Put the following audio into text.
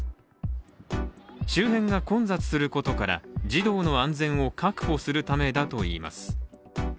周辺が混雑することから児童の安全を確保するためだといいます。